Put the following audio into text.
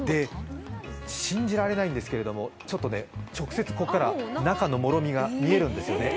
信じられないんですけど、直接ここから、中のもろみが見えるんですよね。